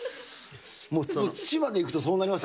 土までいくとそうなりますか